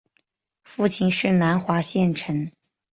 父亲是南华县丞。